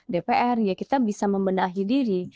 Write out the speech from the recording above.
dpr ya kita bisa membenahi diri